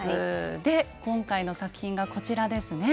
で今回の作品がこちらですね。